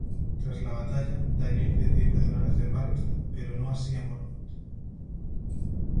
Tras la batalla, Daenerys decide perdonar a Ser Barristan, pero no así a Mormont.